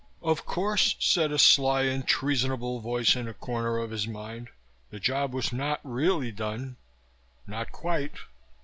Of course, said a sly and treasonable voice in a corner of his mind, the job was not really done. Not quite.